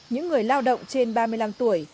những người lao động trên ba mươi năm tuổi